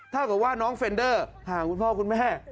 ถ้าเกิดว่าน้องเฟนเดอร์หาคุณพ่อคุณแม่